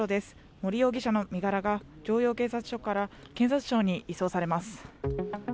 森容疑者の身柄が城陽警察署から検察庁に移送されます。